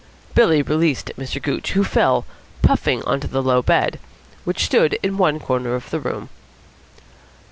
Billy released Mr. Gooch, who fell, puffing, on to the low bed, which stood in one corner of the room.